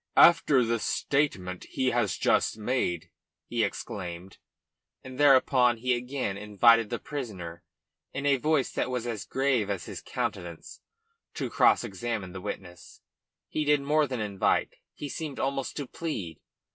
"After the statement he has just made?" he exclaimed, and thereupon he again invited the prisoner, in a voice that was as grave as his countenance, to cross examine he witness; he did more than invite he seemed almost to plead.